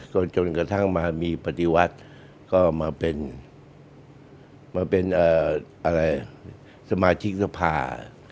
ก็จนกระทั่งมามีปฏิวัติก็มาเป็นสมาชิกสภา